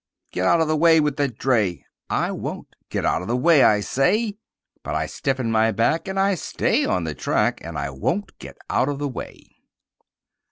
Get out of the way with that dray!" "I won't!" "Get out of the way, I say!" But I stiffen my back, and I stay on the track, And I won't get out of the way.